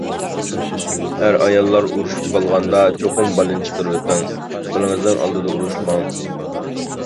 ئەر-ئاياللار ئۇرۇشۇپ قالغاندا چوقۇم بالىنى چىقىرىۋېتىڭ، بالىڭىزنىڭ ئالدىدا ئۇرۇشماڭ.